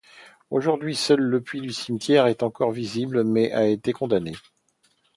Aujourd'hui, seul le puits du cimetière est encore visible, mais a été condamné.